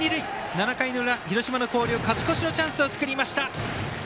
７回の裏、広島の広陵勝ち越しのチャンスを作りました。